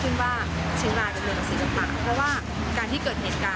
เพราะฉะนั้นการที่ศิลปินรวมตัวกันกันมา